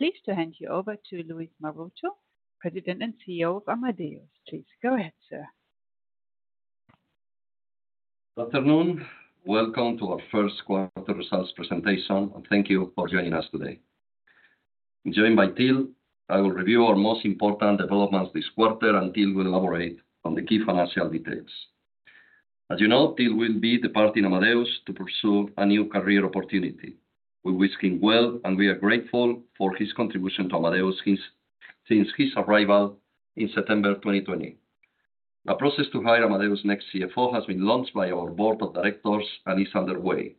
Pleased to hand you over to Luis Maroto, President and CEO of Amadeus. Please go ahead, sir. Good afternoon. Welcome to our Q1 results presentation, and thank you for joining us today. Joined by Till, I will review our most important developments this quarter, and Till will elaborate on the key financial details. As you know, Till will be departing Amadeus to pursue a new career opportunity. We wish him well, and we are grateful for his contribution to Amadeus since his arrival in September 2020. A process to hire Amadeus' next CFO has been launched by our board of directors and is underway.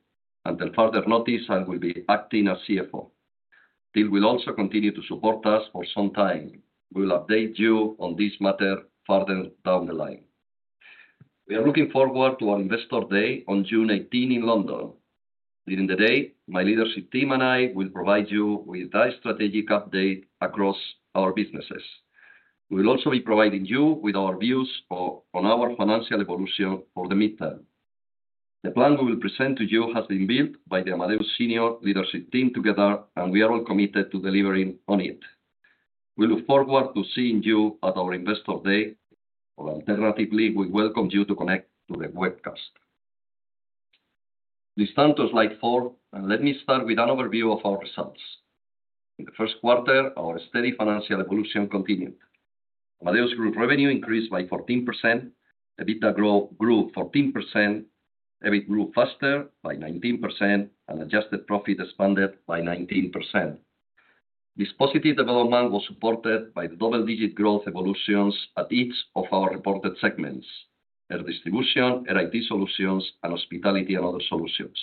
Until further notice, I will be acting as CFO. Till will also continue to support us for some time. We will update you on this matter further down the line. We are looking forward to our Investor Day on June eighteenth in London. During the day, my leadership team and I will provide you with a strategic update across our businesses. We will also be providing you with our views on our financial evolution for the midterm. The plan we will present to you has been built by the Amadeus senior leadership team together, and we are all committed to delivering on it. We look forward to seeing you at our Investor Day, or alternatively, we welcome you to connect to the webcast. Please turn to slide four, and let me start with an overview of our results. In the Q1, our steady financial evolution continued. Amadeus Group revenue increased by 14%. EBITDA grew 14%. EBIT grew faster, by 19%, and adjusted profit expanded by 19%. This positive development was supported by the double-digit growth evolutions at each of our reported segments: Air Distribution, Air IT solutions, and Hospitality and Other Solutions.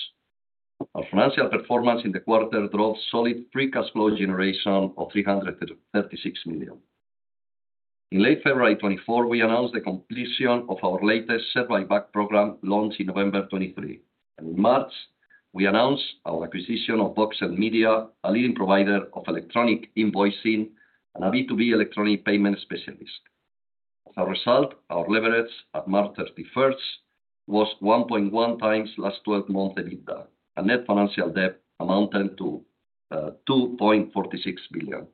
Our financial performance in the quarter drove solid free cash flow generation of 336 million. In late February 2024, we announced the completion of our latest share buyback program, launched in November 2023. In March, we announced our acquisition of Voxel Media, a leading provider of electronic invoicing and a B2B electronic payment specialist. As a result, our leverage at March 31st was 1.1 times last twelve months EBITDA, and net financial debt amounted to 2.46 billion.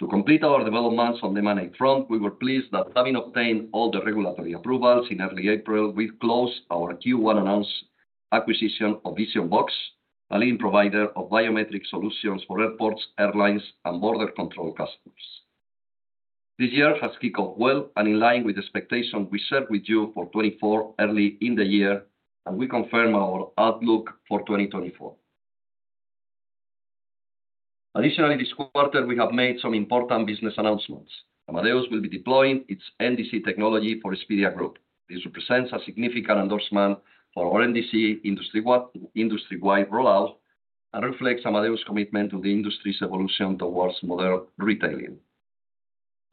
To complete our developments on the money front, we were pleased that having obtained all the regulatory approvals in early April, we've closed our Q1 announced acquisition of Vision-Box, a leading provider of biometric solutions for airports, airlines, and border control customers. This year has kicked off well and in line with the expectation we set with you for 2024 early in the year, and we confirm our outlook for 2024. Additionally, this quarter, we have made some important business announcements. Amadeus will be deploying its NDC technology for Expedia Group. This represents a significant endorsement for our NDC industry-wide, industry-wide rollout and reflects Amadeus's commitment to the industry's evolution towards modern retailing.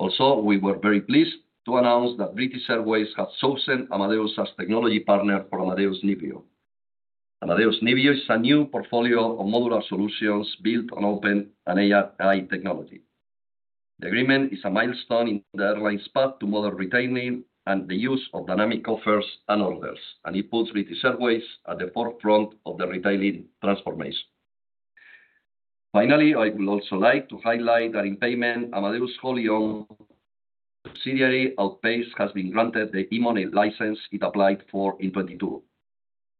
Also, we were very pleased to announce that British Airways has chosen Amadeus as technology partner for Amadeus Nevio. Amadeus Nevio is a new portfolio of modular solutions built on open and AI technology. The agreement is a milestone in the airline's path to modern retailing and the use of dynamic offers and orders, and it puts British Airways at the forefront of the retailing transformation. Finally, I would also like to highlight that in payment, Amadeus platform subsidiary Outpayce, has been granted the e-money license it applied for in 2022.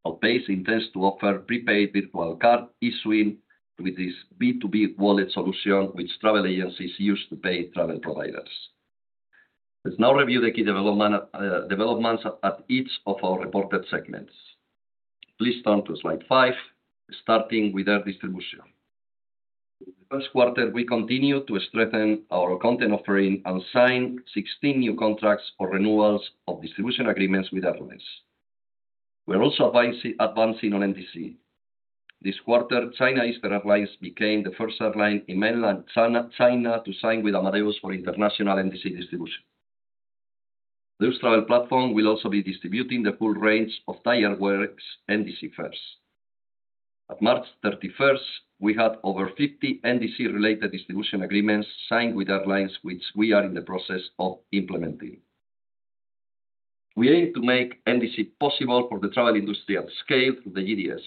Outpayce intends to offer prepaid virtual card issuing with this B2B wallet solution, which travel agencies use to pay travel providers. Let's now review the key developments at each of our reported segments. Please turn to slide five, starting with Air Distribution. In the Q1, we continued to strengthen our content offering and sign 16 new contracts for renewals of distribution agreements with airlines. We're also advancing on NDC. This quarter, China Eastern Airlines became the first airline in mainland China to sign with Amadeus for international NDC distribution. This travel platform will also be distributing the full range of Tire Works NDC first. At March 31st, we had over 50 NDC-related distribution agreements signed with airlines, which we are in the process of implementing. We aim to make NDC possible for the travel industry at scale through the GDS.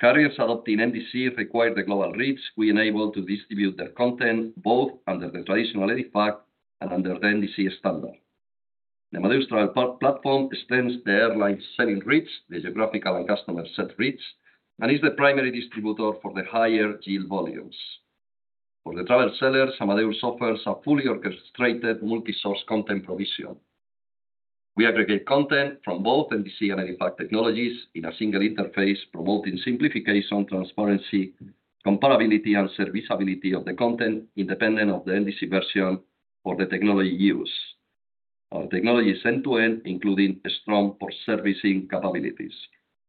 Carriers adopting NDC require the global reach. We enable to distribute their content both under the traditional EDIFACT and under the NDC standard. The Amadeus Travel Platform extends the airline's selling reach, the geographical and customer set reach, and is the primary distributor for the higher yield volumes. For the travel sellers, Amadeus offers a fully orchestrated multi-source content provision. We aggregate content from both NDC and EDIFACT technologies in a single interface, promoting simplification, transparency, comparability, and serviceability of the content, independent of the NDC version or the technology used. Our technology is end-to-end, including strong post-servicing capabilities.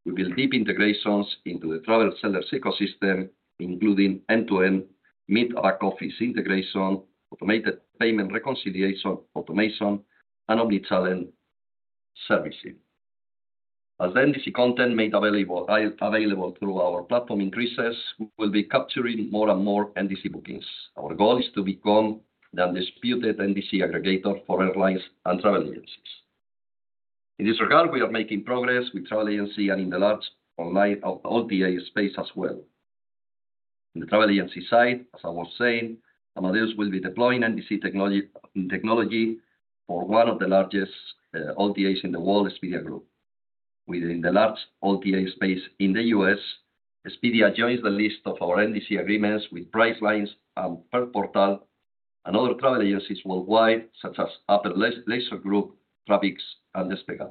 We build deep integrations into the travel sellers' ecosystem, including end-to-end mid-back office integration, automated payment reconciliation, automation, and omnichannel servicing. As the NDC content made available, available through our platform increases, we will be capturing more and more NDC bookings. Our goal is to become the undisputed NDC aggregator for airlines and travel agencies. In this regard, we are making progress with travel agency and in the large online OTA space as well. In the travel agency side, as I was saying, Amadeus will be deploying NDC technology, technology for one of the largest, OTAs in the world, Expedia Group. Within the large OTA space in the U.S., Expedia joins the list of our NDC agreements with Priceline and Portal and other travel agencies worldwide, such as Apple Leisure Group, Travix, and Despegar.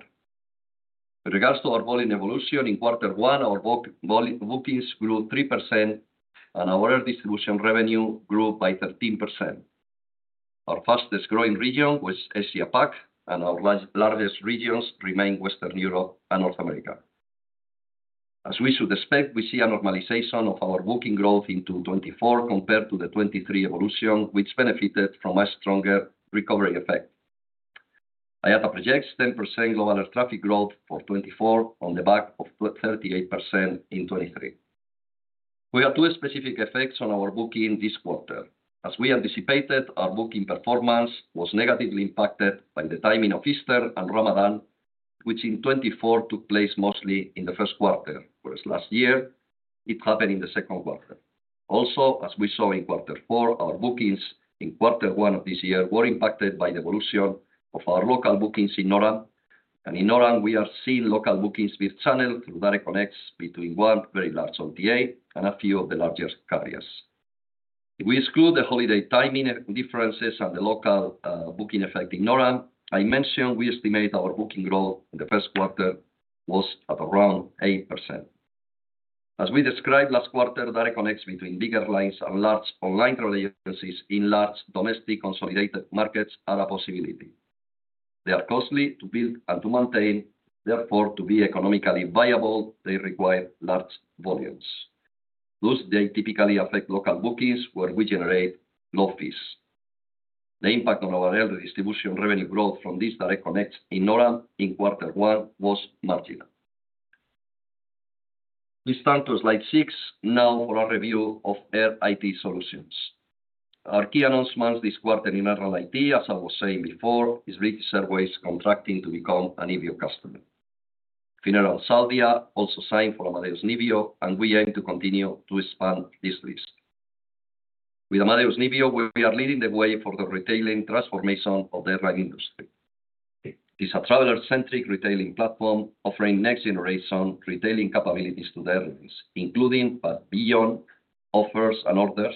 With regards to our volume evolution, in quarter one, our bookings grew 3%, and our air distribution revenue grew by 13%. Our fastest growing region was Asia Pac, and our largest regions remain Western Europe and North America. As we should expect, we see a normalization of our booking growth into 2024 compared to the 2023 evolution, which benefited from a stronger recovery effect. IATA projects 10% global air traffic growth for 2024 on the back of 38% in 2023. We have two specific effects on our booking this quarter. As we anticipated, our booking performance was negatively impacted by the timing of Easter and Ramadan, which in 2024 took place mostly in the Q1, whereas last year it happened in the Q2. Also, as we saw in quarter four, our bookings in quarter one of this year were impacted by the evolution of our local bookings in Noram, and in Noram, we are seeing local bookings be channeled through direct connects between one very large OTA and a few of the largest carriers. If we exclude the holiday timing differences and the local booking effect in Noram, I mentioned we estimate our booking growth in the Q1 was at around 8%. As we described last quarter, direct connects between bigger lines and large online travel agencies in large domestic consolidated markets are a possibility. They are costly to build and to maintain, therefore, to be economically viable, they require large volumes. Thus, they typically affect local bookings, where we generate low fees. The impact on our air distribution revenue growth from this direct connect in Noram in quarter one was marginal. Please turn to slide six now for our review of Airline IT Solutions. Our key announcements this quarter in Airline IT, as I was saying before, is British Airways contracting to become a Nevio customer. Finnair and Saudia also signed for Amadeus Nevio, and we aim to continue to expand this list. With Amadeus Nevio, we are leading the way for the retailing transformation of the airline industry. It's a traveler-centric retailing platform offering next-generation retailing capabilities to the airlines, including but beyond offers and orders,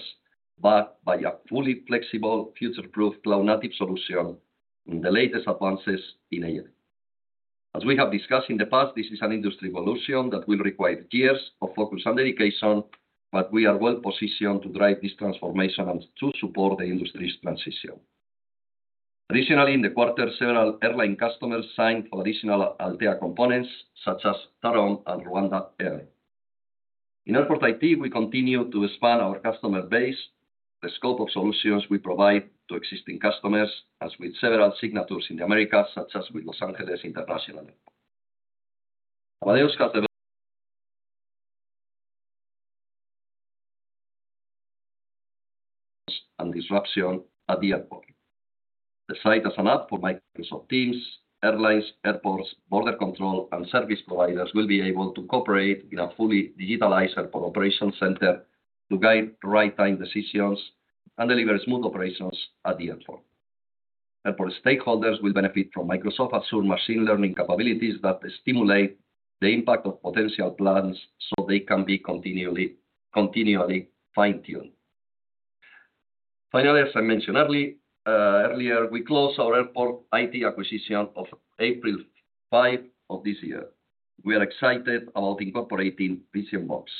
but by a fully flexible, future-proof, cloud-native solution in the latest advances in AI. As we have discussed in the past, this is an industry evolution that will require years of focus and dedication, but we are well positioned to drive this transformation and to support the industry's transition. Additionally, in the quarter, several airline customers signed for additional Altéa components, such as TAROM and RwandAir. In Airport IT, we continue to expand our customer base, the scope of solutions we provide to existing customers, as with several signatures in the Americas, such as with Los Angeles International. Amadeus has developed and disruption at the airport. The suite has an app for Microsoft Teams. Airlines, airports, border control, and service providers will be able to cooperate in a fully digitalized airport operations center to guide real-time decisions and deliver smooth operations at the airport. Airport stakeholders will benefit from Microsoft Azure machine learning capabilities that stimulate the impact of potential plans, so they can be continually fine-tuned. Finally, as I mentioned earlier, we closed our Airport IT acquisition of April 5 of this year. We are excited about incorporating Vision-Box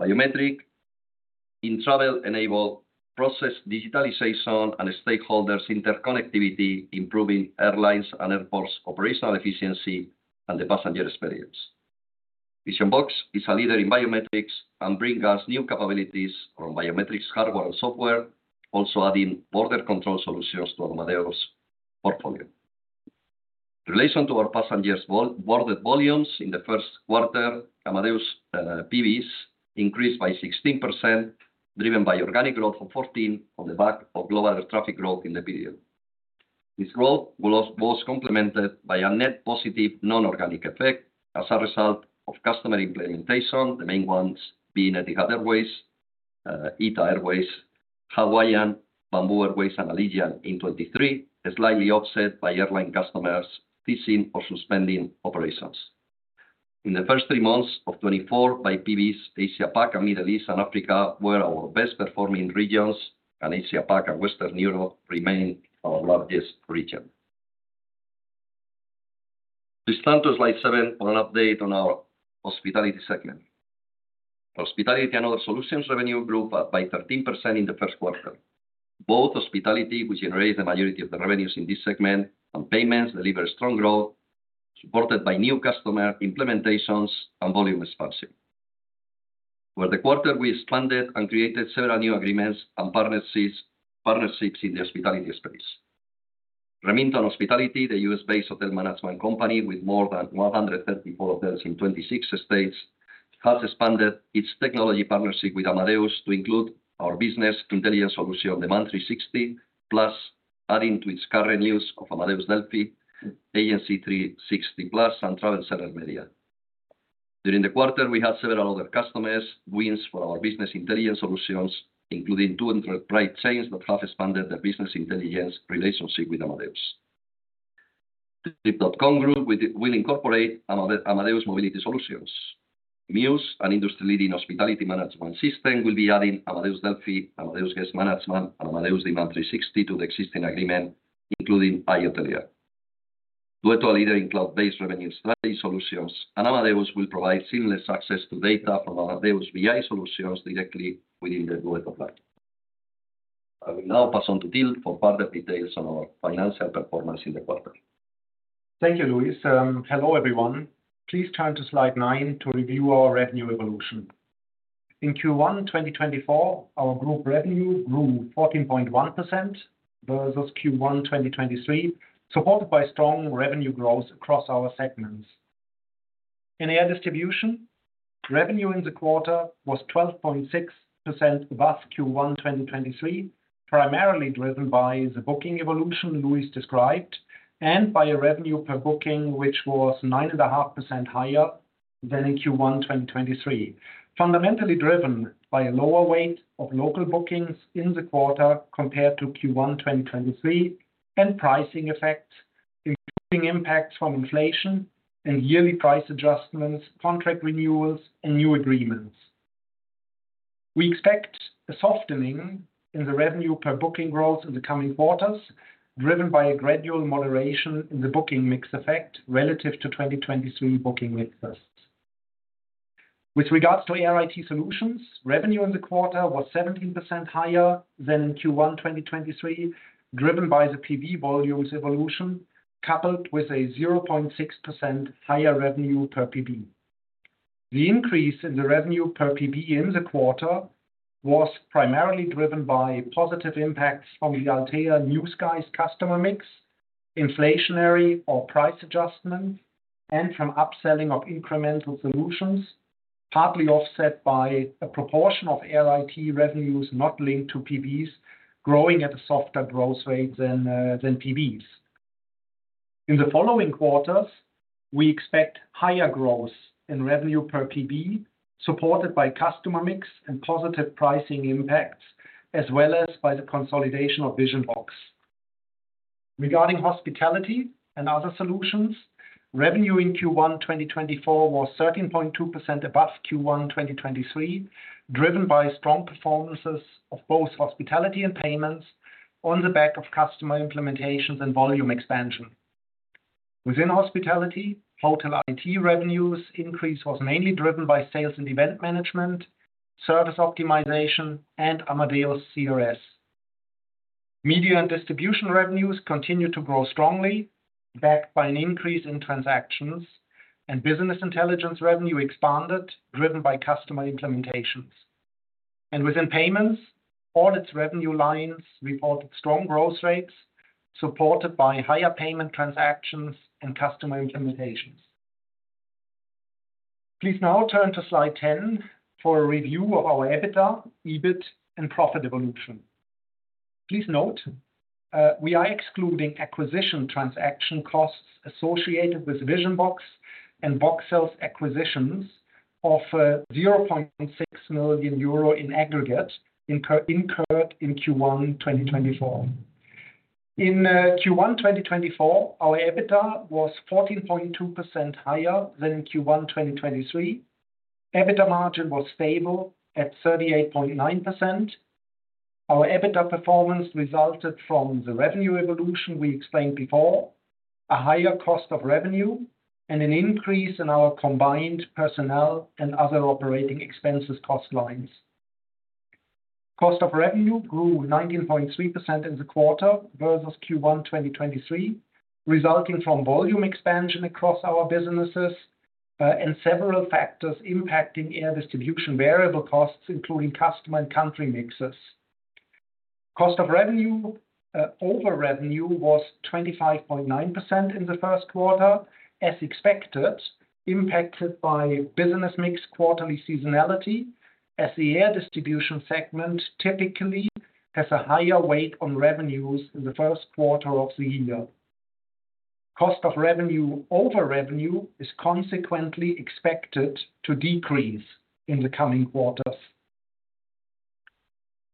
biometrics in travel enable process digitalization and stakeholders interconnectivity, improving airlines and airports' operational efficiency and the passenger experience. Vision-Box is a leader in biometrics and bring us new capabilities on biometrics, hardware, and software, also adding border control solutions to Amadeus' portfolio. In relation to our passengers boarded volumes, in the Q1, Amadeus PBs increased by 16%, driven by organic growth of 14 on the back of global air traffic growth in the period. This growth was complemented by a net positive, non-organic effect as a result of customer implementation, the main ones being Etihad Airways, ITA Airways, Hawaiian, Bamboo Airways, and Allegiant in 2023, slightly offset by airline customers ceasing or suspending operations. In the first three months of 2024, by PBs, Asia Pac, and Middle East, and Africa were our best-performing regions, and Asia Pac and Western Europe remain our largest region. Please turn to slide seven for an update on our hospitality segment. Hospitality and other solutions revenue grew by 13% in the Q1. Both hospitality, which generate the majority of the revenues in this segment, and payments delivered strong growth, supported by new customer implementations and volume expansion. For the quarter, we expanded and created several new agreements and partnerships in the hospitality space. Remington Hospitality, the U.S.-based hotel management company with more than 130 hotels in 26 states, has expanded its technology partnership with Amadeus to include our business intelligence solution, Demand360+, adding to its current use of Amadeus Delphi, Agency360+, and Travel Server Media. During the quarter, we had several other customer wins for our business intelligence solutions, including 200 branded chains that have expanded their business intelligence relationship with Amadeus. Trip.com Group will incorporate Amadeus mobility solutions. Mews, an industry-leading hospitality management system, will be adding Amadeus Delphi, Amadeus Guest Management, and Amadeus Demand360+ to the existing agreement, including iHotelier. Duetto, a leader in cloud-based revenue strategy solutions, and Amadeus will provide seamless access to data from Amadeus BI solutions directly within the Duetto platform. I will now pass on to Till for further details on our financial performance in the quarter. Thank you, Luis. Hello, everyone. Please turn to slide nine to review our revenue evolution. In Q1 2024, our group revenue grew 14.1% versus Q1 2023, supported by strong revenue growth across our segments. In Air Distribution, revenue in the quarter was 12.6% above Q1 2023, primarily driven by the booking evolution Luis described, and by a revenue per booking, which was 9.5% higher than in Q1 2023. Fundamentally driven by a lower weight of local bookings in the quarter compared to Q1 2023, and pricing effects, including impacts from inflation and yearly price adjustments, contract renewals, and new agreements. We expect a softening in the revenue per booking growth in the coming quarters, driven by a gradual moderation in the booking mix effect relative to 2023 booking mixes. With regards to Air IT solutions, revenue in the quarter was 17% higher than in Q1 2023, driven by the PB volumes evolution, coupled with a 0.6% higher revenue per PB. The increase in the revenue per PB in the quarter was primarily driven by positive impacts from the Navitaire New Skies customer mix, inflationary or price adjustment, and from upselling of incremental solutions, partly offset by a proportion of Air IT revenues not linked to PBs, growing at a softer growth rate than than PBs. In the following quarters, we expect higher growth in revenue per PB, supported by customer mix and positive pricing impacts, as well as by the consolidation of Vision-Box. Regarding hospitality and other solutions, revenue in Q1 2024 was 13.2% above Q1 2023, driven by strong performances of both hospitality and payments on the back of customer implementations and volume expansion. Within hospitality, hotel IT revenues increase was mainly driven by sales and event management, service optimization, and Amadeus CRS. Media and distribution revenues continued to grow strongly, backed by an increase in transactions, and business intelligence revenue expanded, driven by customer implementations. Within payments, all its revenue lines reported strong growth rates, supported by higher payment transactions and customer implementations. Please now turn to slide 10 for a review of our EBITDA, EBIT, and profit evolution. Please note, we are excluding acquisition transaction costs associated with Vision-Box and Voxel acquisitions of 0.6 million euro in aggregate incurred in Q1 2024. In Q1, 2024, our EBITDA was 14.2% higher than in Q1, 2023. EBITDA margin was stable at 38.9%. Our EBITDA performance resulted from the revenue evolution we explained before, a higher cost of revenue, and an increase in our combined personnel and other operating expenses cost lines. Cost of revenue grew 19.3% in the quarter versus Q1, 2023, resulting from volume expansion across our businesses, and several factors impacting air distribution variable costs, including customer and country mixes. Cost of revenue over revenue was 25.9% in the Q1, as expected, impacted by business mix quarterly seasonality, as the air distribution segment typically has a higher weight on revenues in the Q1 of the year. Cost of revenue over revenue is consequently expected to decrease in the coming quarters.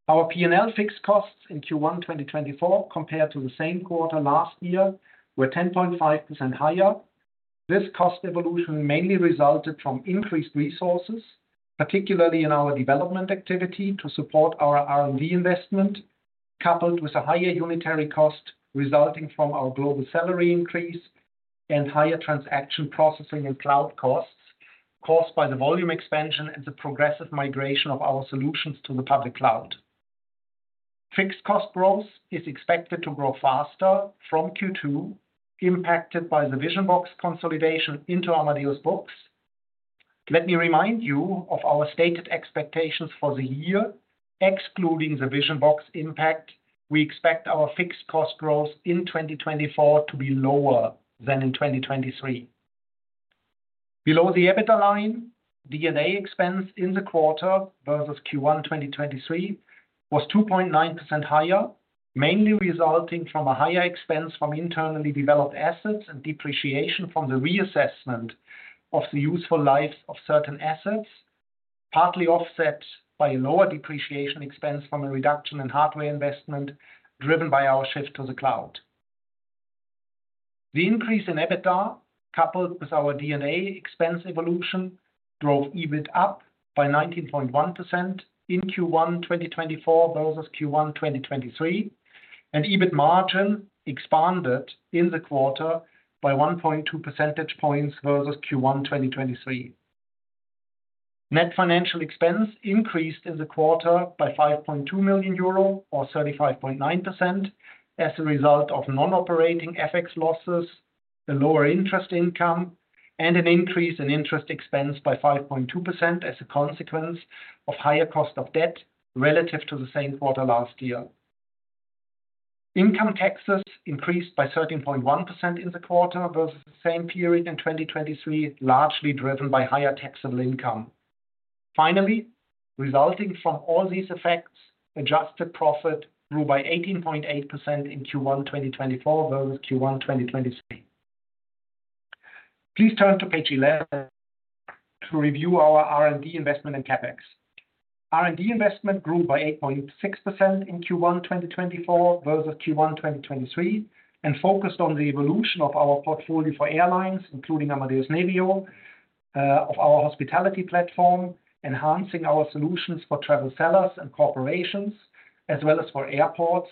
Our P&L fixed costs in Q1 2024, compared to the same quarter last year, were 10.5% higher. This cost evolution mainly resulted from increased resources, particularly in our development activity, to support our R&D investment, coupled with a higher unitary cost resulting from our global salary increase and higher transaction processing and cloud costs caused by the volume expansion and the progressive migration of our solutions to the public cloud. Fixed cost growth is expected to grow faster from Q2, impacted by the Vision-Box consolidation into Amadeus books. Let me remind you of our stated expectations for the year.... excluding the Vision-Box impact, we expect our fixed cost growth in 2024 to be lower than in 2023. Below the EBITDA line, D&A expense in the quarter versus Q1 2023 was 2.9% higher, mainly resulting from a higher expense from internally developed assets and depreciation from the reassessment of the useful life of certain assets, partly offset by a lower depreciation expense from a reduction in hardware investment, driven by our shift to the cloud. The increase in EBITDA, coupled with our D&A expense evolution, drove EBIT up by 19.1% in Q1 2024 versus Q1 2023, and EBIT margin expanded in the quarter by 1.2 percentage points versus Q1 2023. Net financial expense increased in the quarter by 5.2 million euro, or 35.9%, as a result of non-operating FX losses, the lower interest income, and an increase in interest expense by 5.2% as a consequence of higher cost of debt relative to the same quarter last year. Income taxes increased by 13.1% in the quarter versus the same period in 2023, largely driven by higher taxable income. Finally, resulting from all these effects, adjusted profit grew by 18.8% in Q1 2024 versus Q1 2023. Please turn to page 11 to review our R&D investment in CapEx. R&D investment grew by 8.6% in Q1 2024 versus Q1 2023, and focused on the evolution of our portfolio for airlines, including Amadeus Nevio, of our hospitality platform, enhancing our solutions for travel sellers and corporations, as well as for airports,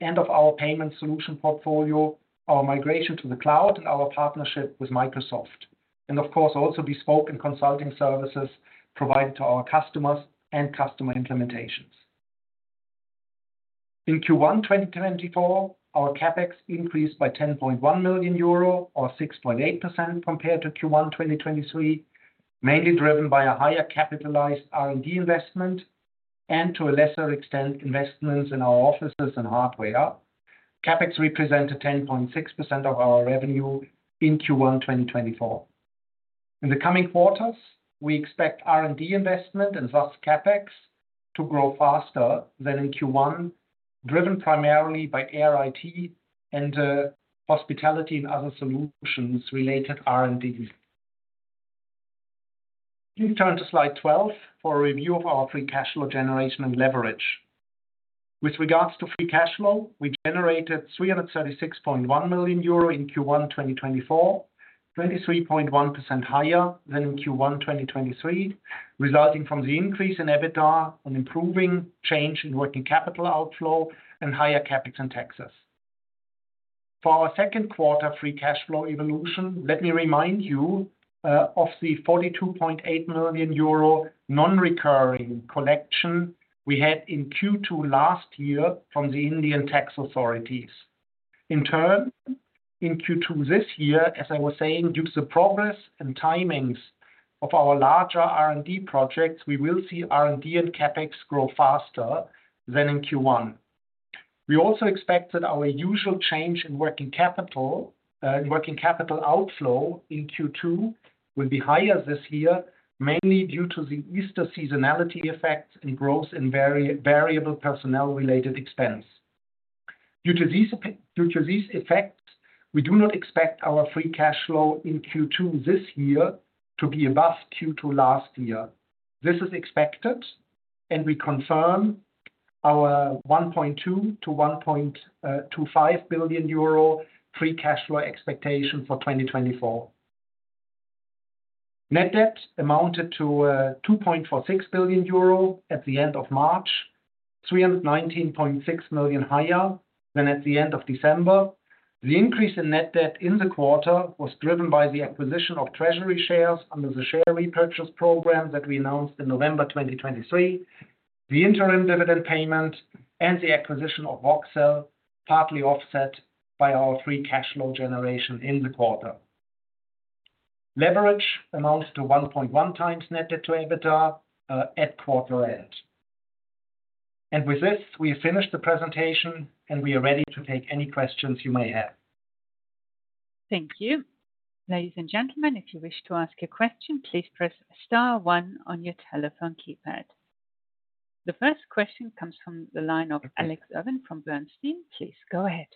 and of our payment solution portfolio, our migration to the cloud, and our partnership with Microsoft. And of course, also bespoke and consulting services provided to our customers and customer implementations. In Q1 2024, our CapEx increased by 10.1 million euro, or 6.8% compared to Q1 2023, mainly driven by a higher capitalized R&D investment and, to a lesser extent, investments in our offices and hardware. CapEx represent a 10.6% of our revenue in Q1 2024. In the coming quarters, we expect R&D investment, and thus CapEx, to grow faster than in Q1, driven primarily by AIR IT and hospitality and other solutions related R&D. Please turn to slide 12 for a review of our free cash flow generation and leverage. With regards to free cash flow, we generated 336.1 million euro in Q1 2024, 23.1% higher than in Q1 2023, resulting from the increase in EBITDA and improving change in working capital outflow and higher CapEx and taxes. For our Q2 free cash flow evolution, let me remind you of the 42.8 million euro non-recurring collection we had in Q2 last year from the Indian tax authorities. In turn, in Q2 this year, as I was saying, due to the progress and timings of our larger R&D projects, we will see R&D and CapEx grow faster than in Q1. We also expect that our usual change in working capital, in working capital outflow in Q2 will be higher this year, mainly due to the Easter seasonality effect and growth in variable personnel-related expense. Due to these effects, we do not expect our free cash flow in Q2 this year to be above Q2 last year. This is expected, and we confirm our 1.2 to 1.25 billion free cash flow expectation for 2024. Net debt amounted to 2.46 billion euro at the end of March, 319.6 million higher than at the end of December. The increase in net debt in the quarter was driven by the acquisition of treasury shares under the share repurchase program that we announced in November 2023, the interim dividend payment, and the acquisition of Voxel, partly offset by our free cash flow generation in the quarter. Leverage amounts to 1.1 times net debt to EBITDA at quarter end. And with this, we have finished the presentation, and we are ready to take any questions you may have. Thank you. Ladies and gentlemen, if you wish to ask a question, please press star one on your telephone keypad. The first question comes from the line of Alex Irving from Bernstein. Please go ahead.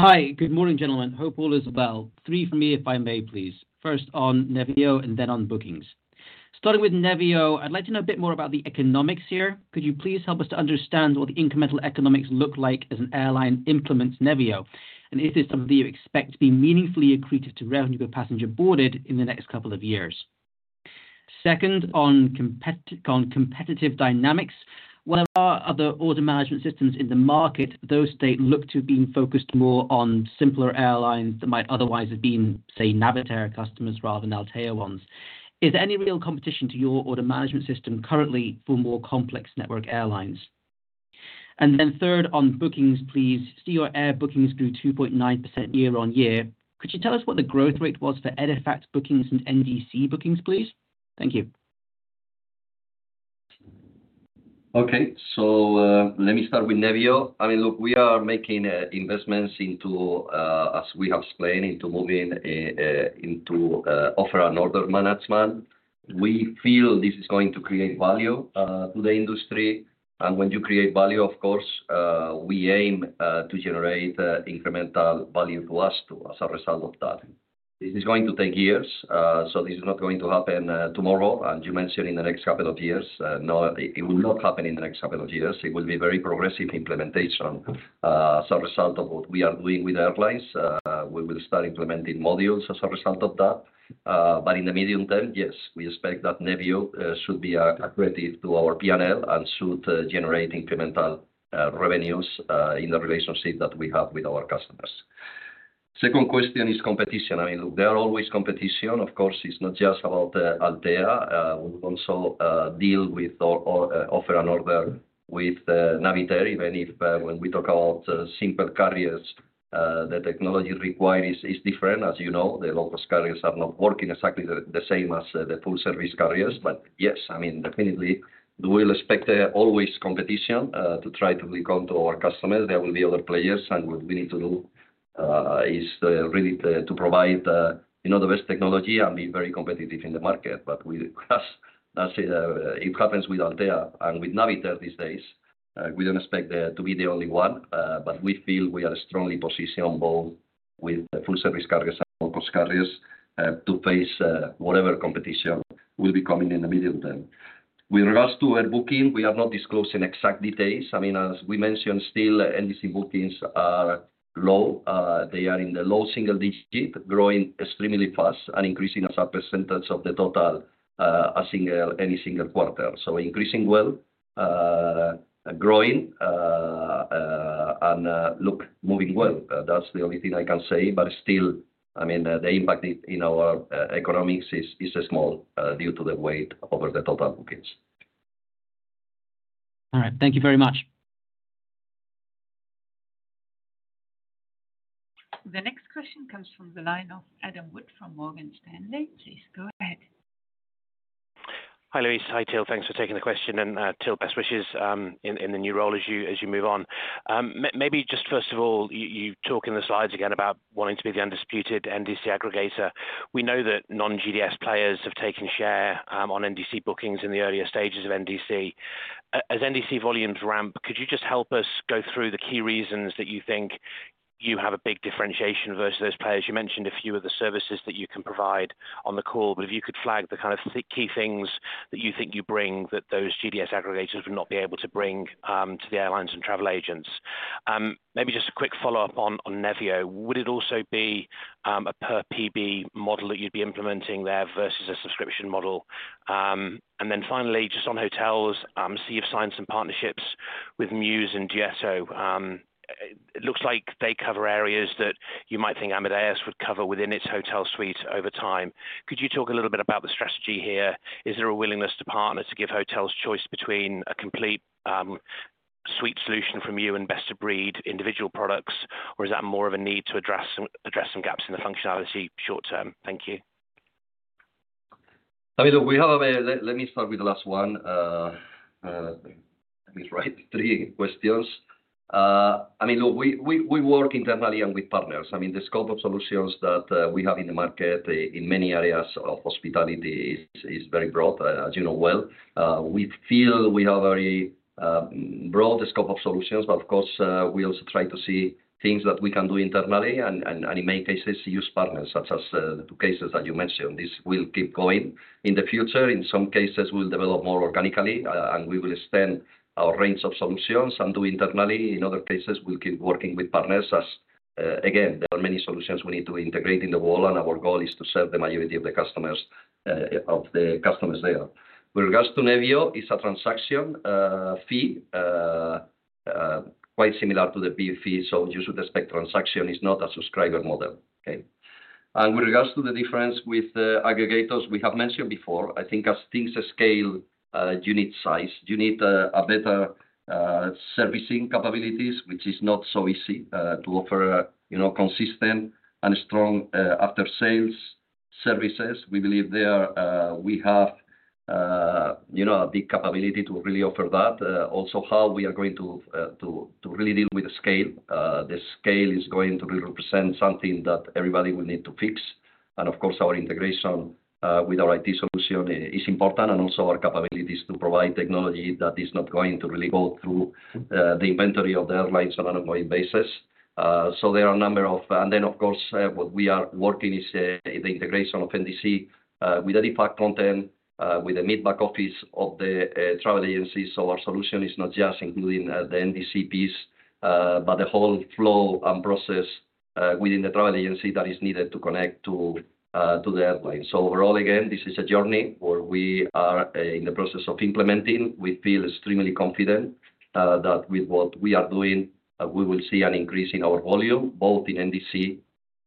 Hi, good morning, gentlemen. Hope all is well. Three for me, if I may, please. First on Nevio and then on bookings. Starting with Nevio, I'd like to know a bit more about the economics here. Could you please help us to understand what the incremental economics look like as an airline implements Nevio? And is this something that you expect to be meaningfully accretive to revenue per passenger boarded in the next couple of years? Second, on competition, competitive dynamics, where are other order management systems in the market, those they look to being focused more on simpler airlines that might otherwise have been, say, Navitaire customers rather than Altéa ones. Is there any real competition to your order management system currently for more complex network airlines?... And then third, on bookings, please, see your air bookings grew 2.9% year-on-year. Could you tell us what the growth rate was for EDIFACT bookings and NDC bookings, please? Thank you. Okay. So, let me start with Nevio. I mean, look, we are making investments into, as we have explained, into moving into offer and order management. We feel this is going to create value to the industry. And when you create value, of course, we aim to generate incremental value to us too, as a result of that. This is going to take years, so this is not going to happen tomorrow, and you mentioned in the next couple of years. No, it will not happen in the next couple of years. It will be very progressive implementation. As a result of what we are doing with airlines, we will start implementing modules as a result of that. But in the medium term, yes, we expect that Nevio should be accredited to our PNL and should generate incremental revenues in the relationship that we have with our customers. Second question is competition. I mean, look, there are always competition. Of course, it's not just about Altéa. We also deal with or offer an order with Navitaire, even if when we talk about simple carriers, the technology required is different. As you know, the low-cost carriers are not working exactly the same as the full service carriers. But yes, I mean, definitely, we will expect always competition to try to come to our customers. There will be other players, and what we need to do is really to provide you know the best technology and be very competitive in the market. But we as that's it it happens with Altéa and with Navitaire these days. We don't expect to be the only one but we feel we are strongly positioned both with the full service carriers and low-cost carriers to face whatever competition will be coming in the medium term. With regards to air booking, we have not disclosed in exact details. I mean, as we mentioned, still, NDC bookings are low. They are in the low single digit, growing extremely fast and increasing as a percentage of the total a single, any single quarter. So increasing well, growing and look, moving well. That's the only thing I can say, but still, I mean, the impact in our economics is small due to the weight over the total bookings. All right. Thank you very much. The next question comes from the line of Adam Wood from Morgan Stanley. Please go ahead. Hi, Luis. Hi, Till. Thanks for taking the question. Till, best wishes in the new role as you move on. Maybe just first of all, you talk in the slides again about wanting to be the undisputed NDC aggregator. We know that non-GDS players have taken share on NDC bookings in the earlier stages of NDC. As NDC volumes ramp, could you just help us go through the key reasons that you think you have a big differentiation versus those players? You mentioned a few of the services that you can provide on the call, but if you could flag the key things that you think you bring, that those GDS aggregators would not be able to bring to the airlines and travel agents. Maybe just a quick follow-up on Nevio. Would it also be a per PB model that you'd be implementing there versus a subscription model? And then finally, just on hotels, so you've signed some partnerships with Mews and Duetto. It looks like they cover areas that you might think Amadeus would cover within its hotel suite over time. Could you talk a little bit about the strategy here? Is there a willingness to partner to give hotels choice between a complete suite solution from you and best-of-breed individual products, or is that more of a need to address some gaps in the functionality short term? Thank you. I mean, look, let me start with the last one. Let me right three questions. I mean, look, we work internally and with partners. I mean, the scope of solutions that we have in the market in many areas of hospitality is very broad, as you know well. We feel we have very broad scope of solutions, but of course we also try to see things that we can do internally and in many cases, use partners such as the two cases that you mentioned. This will keep going in the future. In some cases, we'll develop more organically, and we will extend our range of solutions and do internally. In other cases, we'll keep working with partners as, again, there are many solutions we need to integrate in the world, and our goal is to serve the majority of the customers, of the customers there. With regards to Nevio, it's a transaction, fee, quite similar to the PF fee. So you should expect transaction is not a subscriber model. Okay? And with regards to the difference with the aggregators, we have mentioned before, I think as things scale, you need size, you need a, a better, servicing capabilities, which is not so easy, to offer, you know, consistent and strong, after-sales services. We believe there, we have, you know, a big capability to really offer that. Also how we are going to, to really deal with the scale. The scale is going to really represent something that everybody will need to fix. And of course, our integration with our IT solution is important, and also our capabilities to provide technology that is not going to really go through the inventory of the airlines on an ongoing basis. So there are a number of... And then, of course, what we are working is the integration of NDC with EDIFACT content with the mid-back office of the travel agency. So our solution is not just including the NDC piece, but the whole flow and process within the travel agency that is needed to connect to the airline. So overall, again, this is a journey where we are in the process of implementing. We feel extremely confident that with what we are doing, we will see an increase in our volume, both in NDC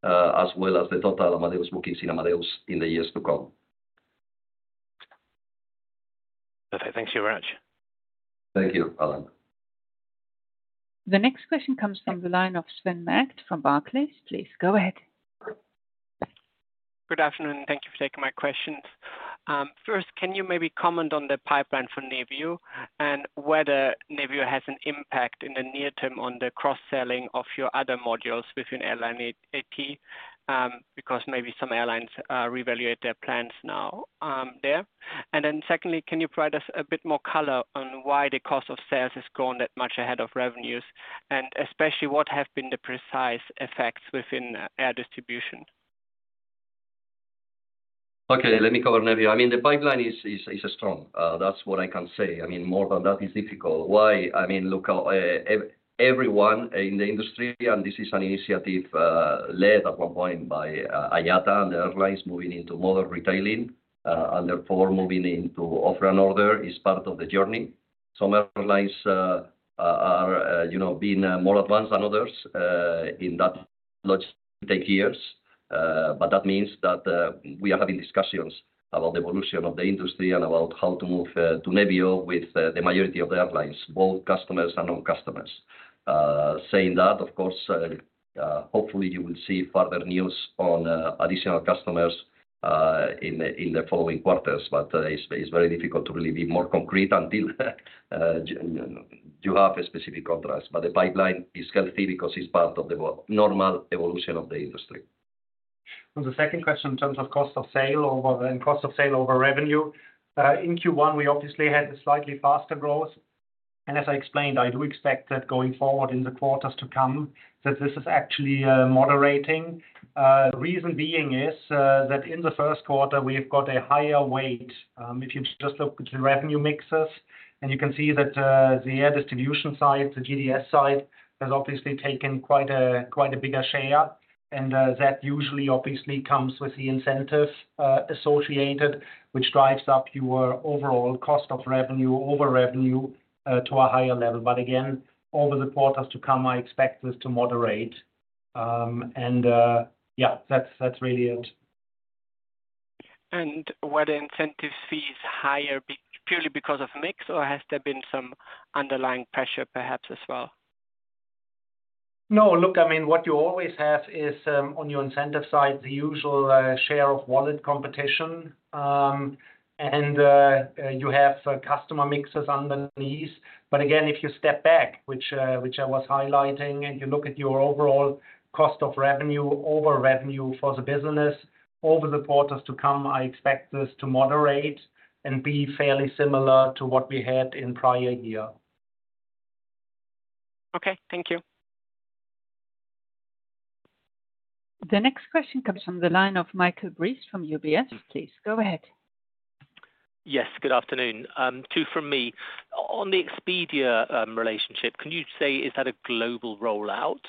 as well as the total Amadeus bookings in Amadeus in the years to come.... Okay, thank you very much. Thank you, Adam. The next question comes from the line of Sven Merkt from Barclays. Please go ahead. Good afternoon, and thank you for taking my questions. First, can you maybe comment on the pipeline for Nevio, and whether Nevio has an impact in the near term on the cross-selling of your other modules within Airline IT? Because maybe some airlines re-evaluate their plans now, there. And then secondly, can you provide us a bit more color on why the cost of sales has grown that much ahead of revenues, and especially what have been the precise effects within Air Distribution? Okay, let me cover Nevio. I mean, the pipeline is strong. That's what I can say. I mean, more than that is difficult. Why? I mean, look, everyone in the industry, and this is an initiative led at one point by IATA, and the airlines moving into modern retailing, and therefore moving into offer and order is part of the journey. Some airlines are, you know, being more advanced than others in that it takes years. But that means that we are having discussions about the evolution of the industry and about how to move to Nevio with the majority of the airlines, both customers and non-customers. Saying that, of course, hopefully you will see further news on additional customers in the following quarters. But it's very difficult to really be more concrete until you have a specific contract. But the pipeline is healthy because it's part of the normal evolution of the industry. The second question, in terms of cost of sales over, and cost of sales over revenue. In Q1, we obviously had a slightly faster growth. And as I explained, I do expect that going forward in the quarters to come, that this is actually moderating. Reason being is, that in the Q1 we have got a higher weight. If you just look at the revenue mixes, and you can see that, the air distribution side, the GDS side, has obviously taken quite a, quite a bigger share. And, that usually obviously comes with the incentives, associated, which drives up your overall cost of revenue over revenue, to a higher level. But again, over the quarters to come, I expect this to moderate. And, yeah, that's, that's really it. Were the incentive fees higher purely because of mix, or has there been some underlying pressure perhaps as well? No, look, I mean, what you always have is, on your incentive side, the usual, share of wallet competition. And, you have customer mixes underneath. But again, if you step back, which I was highlighting, and you look at your overall cost of revenue over revenue for the business, over the quarters to come, I expect this to moderate and be fairly similar to what we had in prior year. Okay, thank you. The next question comes from the line of Michael Briest from UBS. Please go ahead. Yes, good afternoon. Two from me. On the Expedia relationship, can you say, is that a global rollout?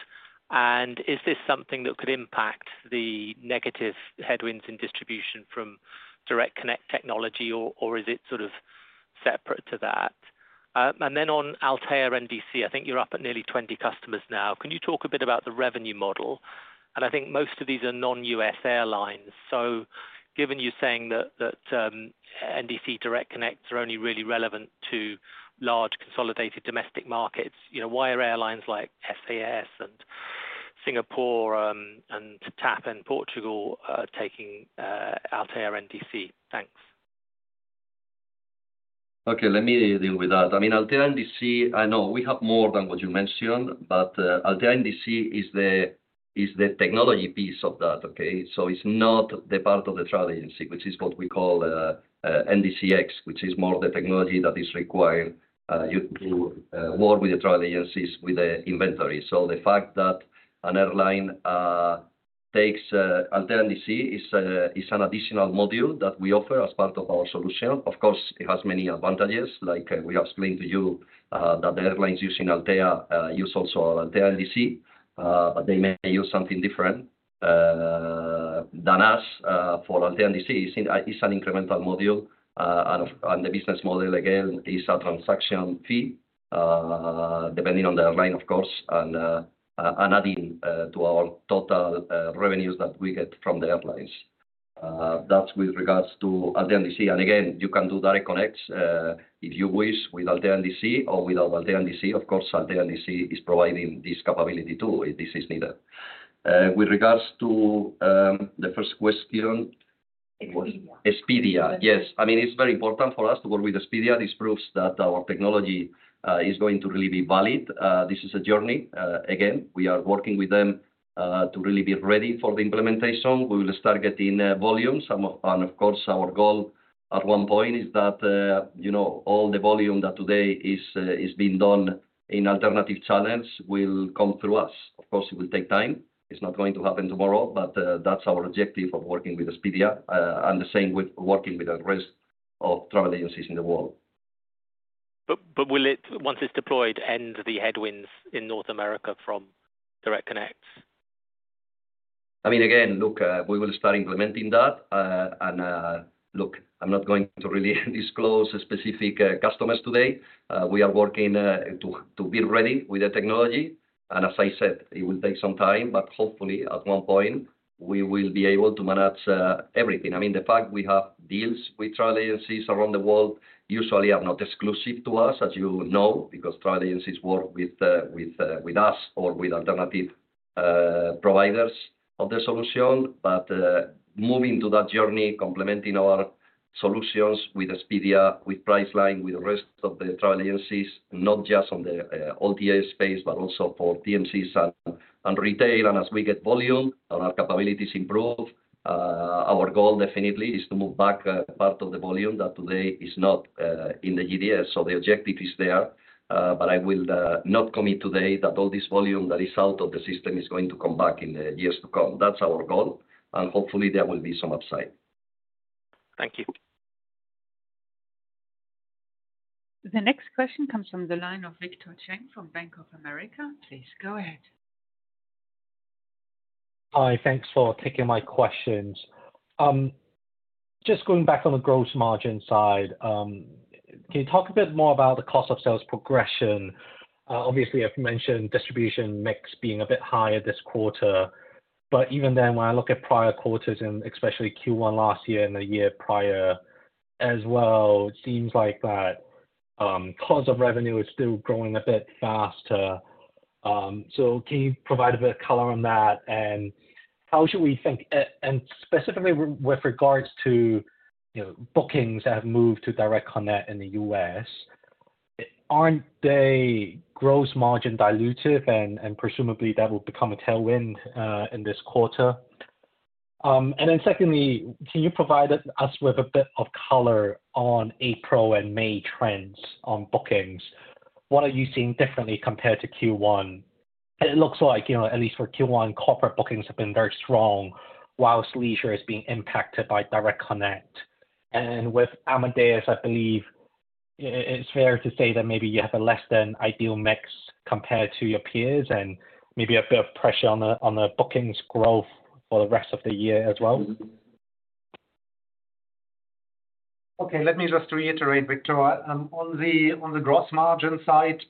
And is this something that could impact the negative headwinds in distribution from Direct Connect technology, or is it sort of separate to that? And then on Altéa NDC, I think you're up at nearly 20 customers now. Can you talk a bit about the revenue model? And I think most of these are non-U.S airlines. So given you're saying that NDC Direct Connects are only really relevant to large, consolidated domestic markets, you know, why are airlines like SAS and Singapore and TAP in Portugal taking Altéa NDC? Thanks. Okay, let me deal with that. I mean, Altéa NDC, I know we have more than what you mentioned, but, Altéa NDC is the, is the technology piece of that, okay? So it's not the part of the travel agency, which is what we call, NDCX, which is more of the technology that is required, you work with the travel agencies, with the inventory. So the fact that an airline takes Altéa NDC is an additional module that we offer as part of our solution. Of course, it has many advantages, like we explained to you, that the airlines using Altéa use also Altéa NDC. But they may use something different than us for Altéa NDC. It's an incremental module, and the business model again is a transaction fee depending on the airline, of course, and adding to our total revenues that we get from the airlines. That's with regards to Altéa NDC. And again, you can do direct connects if you wish, with Altéa NDC or without Altéa NDC. Of course, Altéa NDC is providing this capability too, if this is needed. With regards to the first question- Expedia. Expedia, yes. I mean, it's very important for us to work with Expedia. This proves that our technology is going to really be valid. This is a journey. Again, we are working with them to really be ready for the implementation. We will start getting volumes. And of course, our goal at one point is that, you know, all the volume that today is being done in alternative channels will come through us. Of course, it will take time. It's not going to happen tomorrow, but that's our objective of working with Expedia, and the same with working with the rest of travel agencies in the world. But will it, once it's deployed, end the headwinds in North America from direct connects? I mean, again, look, we will start implementing that. And, look, I'm not going to really disclose specific customers today. We are working to be ready with the technology.... And as I said, it will take some time, but hopefully at one point we will be able to manage everything. I mean, the fact we have deals with travel agencies around the world usually are not exclusive to us, as you know, because travel agencies work with with us or with alternative providers of the solution. But, moving to that journey, complementing our solutions with Expedia, with Priceline, with the rest of the travel agencies, not just on the OTA space, but also for TMCs and retail. And as we get volume and our capabilities improve, our goal definitely is to move back part of the volume that today is not in the GDS. So the objective is there, but I will not commit today that all this volume that is out of the system is going to come back in the years to come. That's our goal, and hopefully there will be some upside. Thank you. The next question comes from the line of Victor Cheng from Bank of America. Please go ahead. Hi, thanks for taking my questions. Just going back on the gross margin side, can you talk a bit more about the cost of sales progression? Obviously, you've mentioned distribution mix being a bit higher this quarter, but even then, when I look at prior quarters, and especially Q1 last year and the year prior as well, it seems like that, cost of revenue is still growing a bit faster. So can you provide a bit of color on that? And how should we think... And specifically with regards to, you know, bookings that have moved to direct connect in the U.S., aren't they gross margin dilutive and, and presumably that will become a tailwind, in this quarter? And then secondly, can you provide us with a bit of color on April and May trends on bookings? What are you seeing differently compared to Q1? It looks like, you know, at least for Q1, corporate bookings have been very strong, while leisure is being impacted by Direct Connect. And with Amadeus, I believe it's fair to say that maybe you have a less than ideal mix compared to your peers, and maybe a bit of pressure on the bookings growth for the rest of the year as well. Okay, let me just reiterate, Victor. On the, on the gross margin side,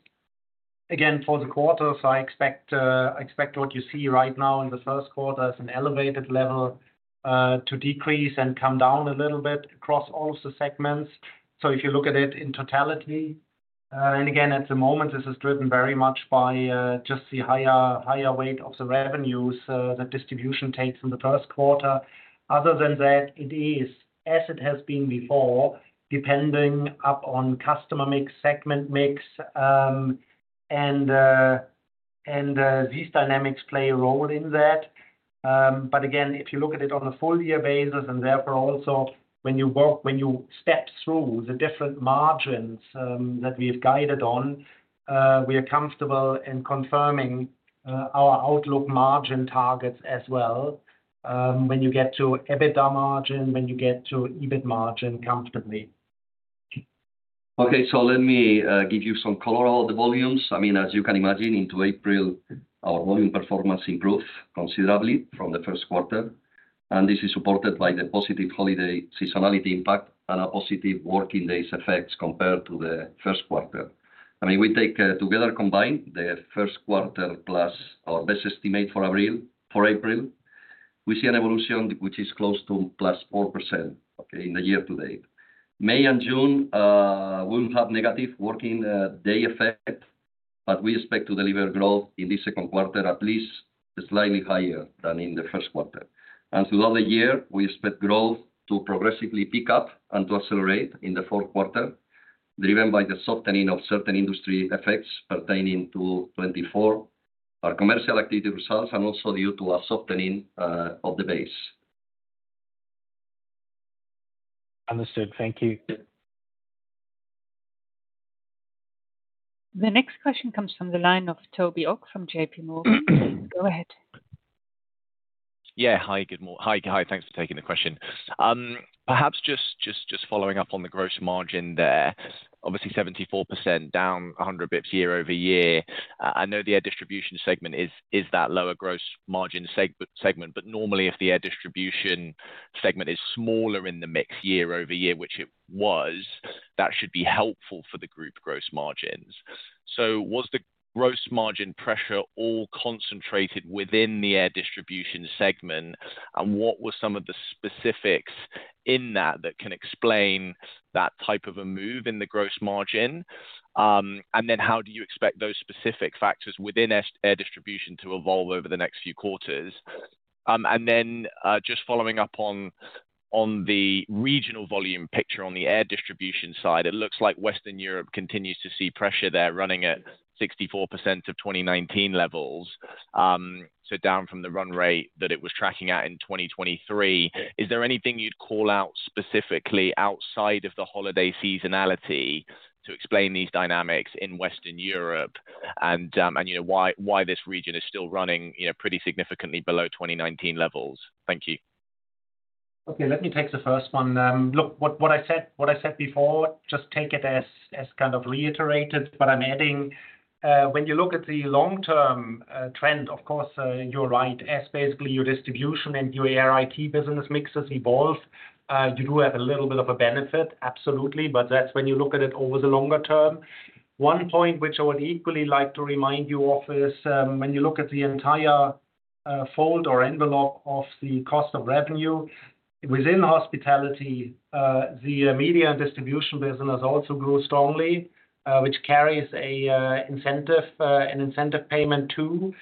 again, for the quarter, so I expect, I expect what you see right now in the Q1 as an elevated level, to decrease and come down a little bit across all of the segments. So if you look at it in totality, and again, at the moment, this is driven very much by, just the higher, higher weight of the revenues, that distribution takes in the Q1. Other than that, it is, as it has been before, depending upon customer mix, segment mix, and, and, these dynamics play a role in that. But again, if you look at it on a full year basis, and therefore also when you work, when you step through the different margins, that we've guided on, we are comfortable in confirming, our outlook margin targets as well, when you get to EBITDA margin, when you get to EBIT margin comfortably. Okay, so let me, give you some color on the volumes. I mean, as you can imagine, into April, our volume performance improved considerably from the Q1, and this is supported by the positive holiday seasonality impact and a positive working days effects compared to the Q1. I mean, we take, together combined, the Q1 plus our best estimate for real, for April, we see an evolution which is close to plus 4%, okay, in the year to date. May and June, will have negative working, day effect, but we expect to deliver growth in the Q2, at least slightly higher than in the Q1. Throughout the year, we expect growth to progressively pick up and to accelerate in the Q4, driven by the softening of certain industry effects pertaining to 2024, our commercial activity results, and also due to a softening of the base. Understood. Thank you. The next question comes from the line of Toby Ogg from J.P. Morgan. Go ahead. Yeah. Hi. Hi, thanks for taking the question. Perhaps just following up on the gross margin there. Obviously, 74% down 100 basis points year-over-year. I know the air distribution segment is that lower gross margin segment, but normally, if the air distribution segment is smaller in the mix year-over-year, which it was, that should be helpful for the group gross margins. So was the gross margin pressure all concentrated within the air distribution segment? And what were some of the specifics in that that can explain that type of a move in the gross margin? And then how do you expect those specific factors within air distribution to evolve over the next few quarters? And then, just following up on the regional volume picture on the air distribution side, it looks like Western Europe continues to see pressure there, running at 64% of 2019 levels. So down from the run rate that it was tracking at in 2023. Is there anything you'd call out specifically outside of the holiday seasonality to explain these dynamics in Western Europe? And, you know, why this region is still running, you know, pretty significantly below 2019 levels? Thank you. Okay, let me take the first one. Look, what I said, what I said before, just take it as, as kind of reiterated. But I'm adding, when you look at the long-term trend, of course, you're right. As basically your distribution and your Air IT business mixes evolve, you do have a little bit of a benefit, absolutely, but that's when you look at it over the longer term. One point which I would equally like to remind you of is, when you look at the entire fold or envelope of the cost of revenue. Within hospitality, the media and distribution business has also grew strongly, which carries a incentive, an incentive payment too,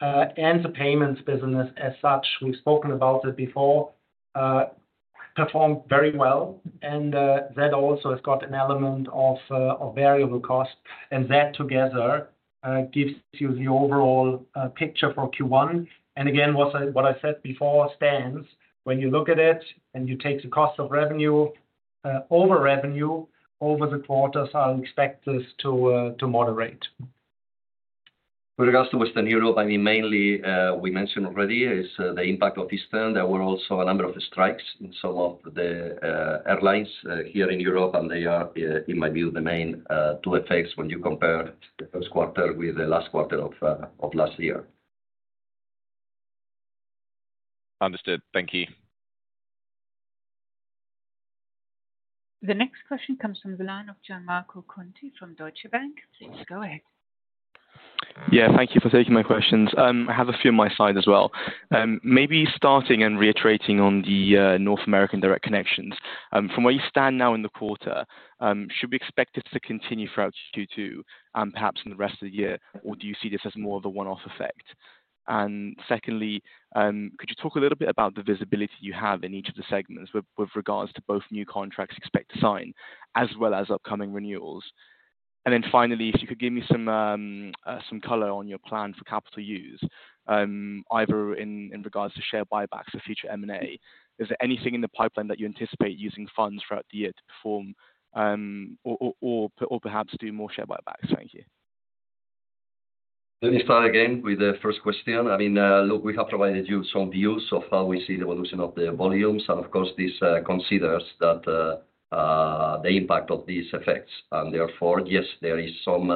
and the payments business as such, we've spoken about it before, performed very well. That also has got an element of variable cost, and that together gives you the overall picture for Q1. And again, what I said before stands. When you look at it and you take the cost of revenue over revenue over the quarters, I'll expect this to moderate. With regards to Western Europe, I mean, mainly, we mentioned already is the impact of Easter. There were also a number of strikes in some of the airlines here in Europe, and they are, in my view, the main two effects when you compare the Q1 with the last quarter of last year. Understood. Thank you. The next question comes from the line of Gianmarco Conti from Deutsche Bank. Please go ahead. Yeah, thank you for taking my questions. I have a few on my side as well. Maybe starting and reiterating on the, North American direct connections. From where you stand now in the quarter, should we expect it to continue throughout Q2, perhaps in the rest of the year? Or do you see this as more of a one-off effect? And secondly, could you talk a little bit about the visibility you have in each of the segments with, with regards to both new contracts you expect to sign as well as upcoming renewals? And then finally, if you could give me some, some color on your plan for capital use, either in, in regards to share buybacks or future M&A. Is there anything in the pipeline that you anticipate using funds throughout the year to perform, or perhaps do more share buybacks? Thank you. Let me start again with the first question. I mean, look, we have provided you some views of how we see the evolution of the volumes, and of course, this considers that, the impact of these effects. And therefore, yes, there is some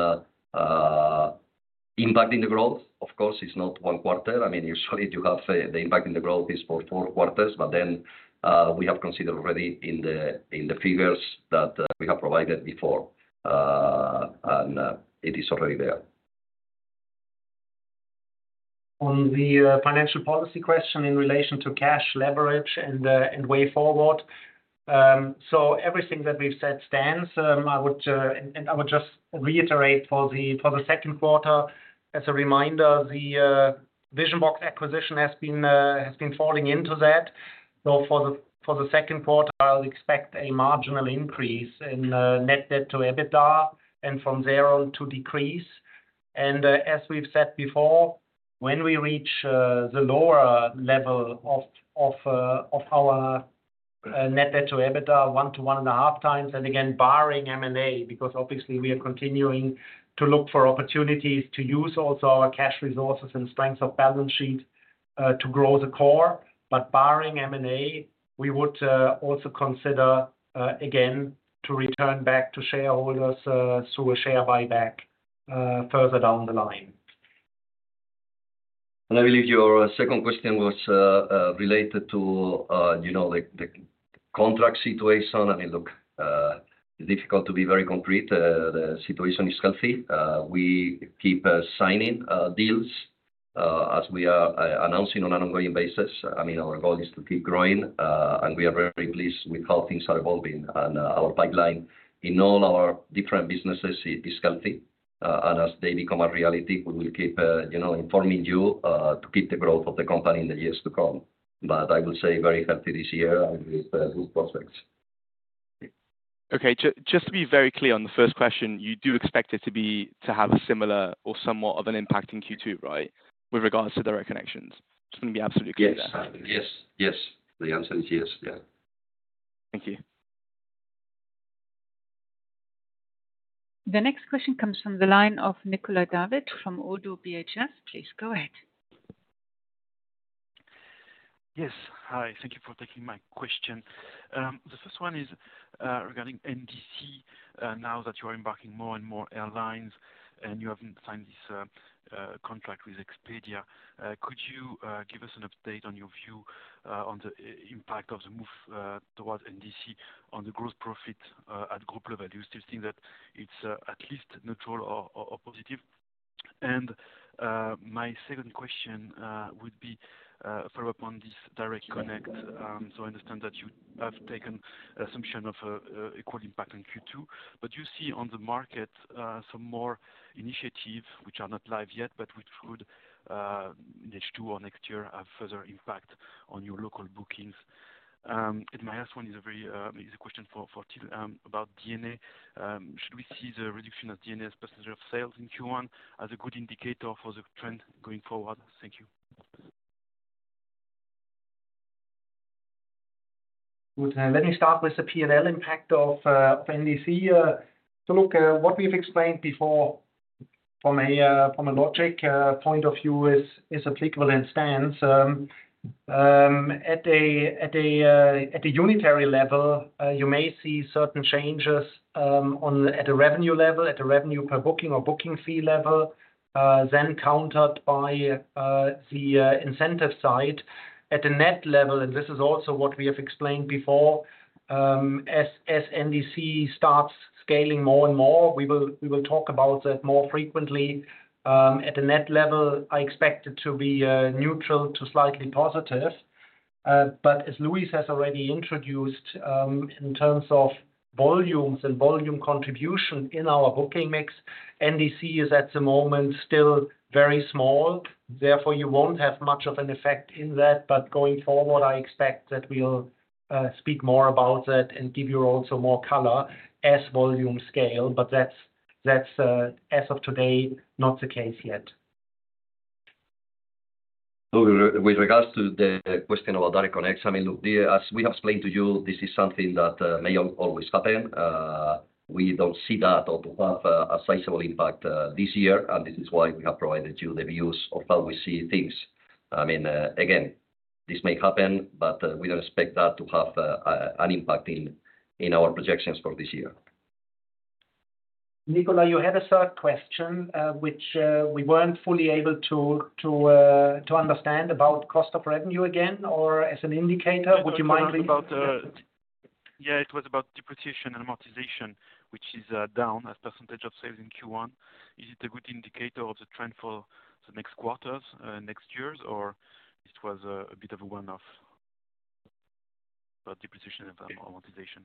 impact in the growth. Of course, it's not one quarter. I mean, usually you have the impact in the growth is for four quarters, but then we have considered already in the figures that we have provided before, and it is already there. On the financial policy question in relation to cash leverage and way forward, so everything that we've said stands. I would just reiterate for the Q2, as a reminder, the Vision-Box acquisition has been falling into that. So for the Q2, I'll expect a marginal increase in net debt to EBITDA and from there on to decrease. And as we've said before, when we reach the lower level of our net debt to EBITDA, 1-1.5x, and again, barring M&A, because obviously we are continuing to look for opportunities to use also our cash resources and strength of balance sheet to grow the core. But barring M&A, we would also consider, again, to return back to shareholders through a share buyback, further down the line. I believe your second question was, related to, you know, like the contract situation. I mean, look, it's difficult to be very concrete. The situation is healthy. We keep signing deals as we are announcing on an ongoing basis. I mean, our goal is to keep growing, and we are very pleased with how things are evolving. And our pipeline in all our different businesses, it is healthy. And as they become a reality, we will keep, you know, informing you to keep the growth of the company in the years to come. But I will say very happy this year, and with good prospects. Okay, just to be very clear on the first question, you do expect it to be, to have a similar or somewhat of an impact in Q2, right? With regards to the reconnections. Just want to be absolutely clear. Yes. Yes, yes. The answer is yes. Yeah. Thank you. The next question comes from the line of Nicolas David from Oddo BHF. Please go ahead. Yes. Hi, thank you for taking my question. The first one is regarding NDC. Now that you are embarking more and more airlines and you haven't signed this contract with Expedia, could you give us an update on your view on the impact of the move towards NDC on the growth profit at group level? Do you still think that it's at least neutral or positive? My second question would be follow-up on this Direct Connect. So I understand that you have taken assumption of a equal impact on Q2, but you see on the market some more initiatives which are not live yet, but which could in H2 or next year, have further impact on your local bookings. My last one is a question for Till about D&A. Should we see the reduction of D&A as percentage of sales in Q1 as a good indicator for the trend going forward? Thank you. Good. Let me start with the P&L impact of NDC. So look, what we've explained before from a logical point of view is applicable and stands. At a unitary level, you may see certain changes on the revenue level, at a revenue per booking or booking fee level, then countered by the incentive side. At the net level, and this is also what we have explained before, as NDC starts scaling more and more, we will talk about that more frequently. At the net level, I expect it to be neutral to slightly positive. But as Luis has already introduced, in terms of volumes and volume contribution in our booking mix, NDC is at the moment still very small, therefore, you won't have much of an effect in that. But going forward, I expect that we'll speak more about that and give you also more color as volume scale. But that's, as of today, not the case yet. With regards to the question about Direct Connect, I mean, look, as we explained to you, this is something that may not always happen. We don't see that or to have a sizable impact this year, and this is why we have provided you the views of how we see things. I mean, again, this may happen, but we don't expect that to have an impact in our projections for this year. Nicola, you had a third question, which we weren't fully able to understand about cost of revenue again, or as an indicator, would you mind repeating? Yeah, it was about depreciation and amortization, which is down as percentage of sales in Q1. Is it a good indicator of the trend for the next quarters, next years, or it was a bit of a one-off, depreciation and amortization?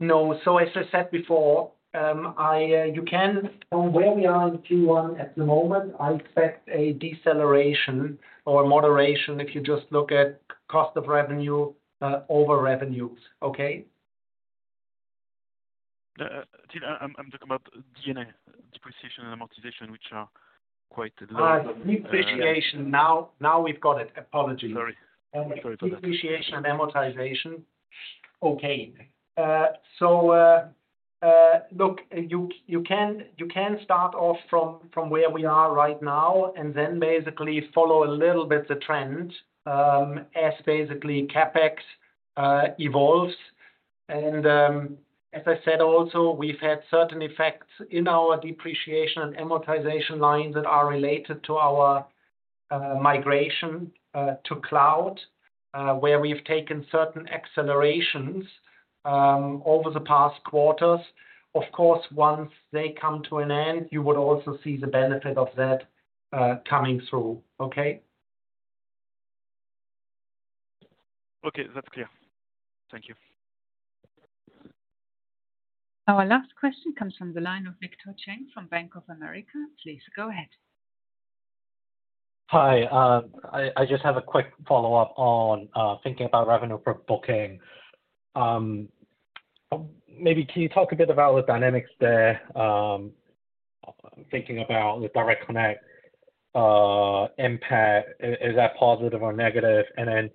No. So as I said before, you can from where we are in the Q1 at the moment, I expect a deceleration or a moderation if you just look at cost of revenue over revenues, okay? I'm talking about D&A, depreciation and amortization, which are quite low. Depreciation now. Now we've got it. Apologies. Sorry. Sorry for that. Depreciation and Amortization. Okay. So, look, you can start off from where we are right now and then basically follow a little bit the trend, as basically CapEx evolves. And, as I said, also, we've had certain effects in our depreciation and amortization lines that are related to our migration to cloud, where we've taken certain accelerations over the past quarters. Of course, once they come to an end, you would also see the benefit of that coming through. Okay? Okay. That's clear. Thank you. Our last question comes from the line of Victor Cheng from Bank of America. Please go ahead. Hi. I just have a quick follow-up on thinking about revenue per booking. Maybe can you talk a bit about the dynamics there? I'm thinking about the Direct Connect impact. Is that positive or negative? And then,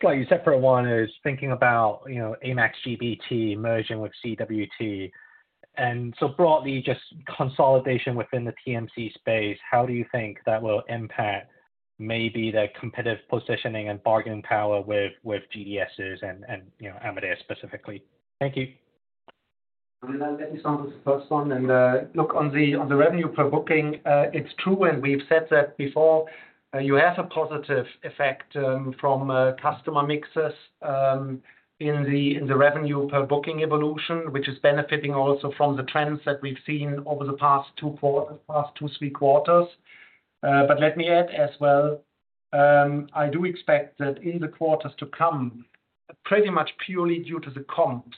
slightly separate one is thinking about, you know, Amex GBT merging with CWT. And so broadly, just consolidation within the TMC space, how do you think that will impact maybe the competitive positioning and bargaining power with GDSs and, you know, Amadeus specifically? Thank you. Let me start with the first one, and look, on the revenue per booking, it's true, and we've said that before, you have a positive effect from customer mixes in the revenue per booking evolution, which is benefiting also from the trends that we've seen over the past two, three quarters. But let me add as well, I do expect that in the quarters to come, pretty much purely due to the comps,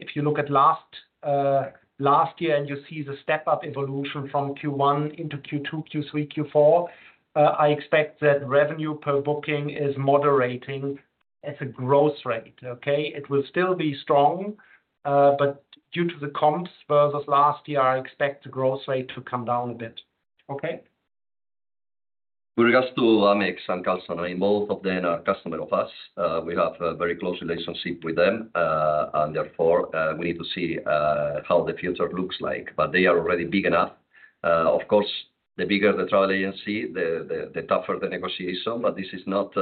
if you look at last year and you see the step up evolution from Q1 into Q2, Q3, Q4, I expect that revenue per booking is moderating as a growth rate, okay? It will still be strong, but due to the comps versus last year, I expect the growth rate to come down a bit. Okay? With regards to Amex and Carlson, both of them are customer of us. We have a very close relationship with them, and therefore, we need to see how the future looks like. But they are already big enough. Of course, the bigger the travel agency, the tougher the negotiation. But this is not,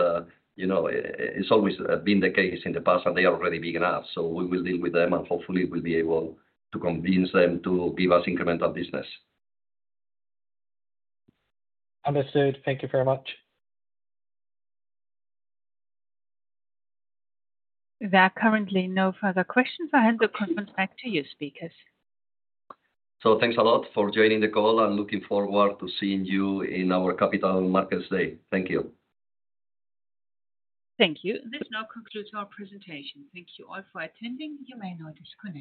you know, it's always been the case in the past, and they are already big enough, so we will deal with them, and hopefully, we'll be able to convince them to give us incremental business. Understood. Thank you very much. There are currently no further questions. I hand the conference back to you, speakers. Thanks a lot for joining the call, and looking forward to seeing you in our Capital Markets Day. Thank you. Thank you. This now concludes our presentation. Thank you all for attending. You may now disconnect.